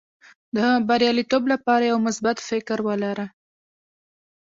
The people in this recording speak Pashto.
د بریالیتوب لپاره یو مثبت فکر ولره.